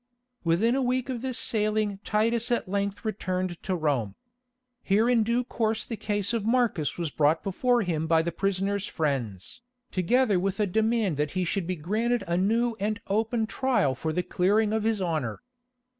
Within a week of this sailing Titus at length returned to Rome. Here in due course the case of Marcus was brought before him by the prisoner's friends, together with a demand that he should be granted a new and open trial for the clearing of his honour.